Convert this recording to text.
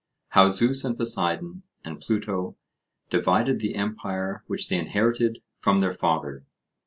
how Zeus and Poseidon and Pluto divided the empire which they inherited from their father.